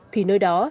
thì nơi đó